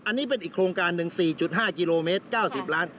อันนี้เป็นอีกโครงการหนึ่ง๔๕กิโลเมตร๙๐ล้าน